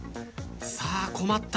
さあ困った。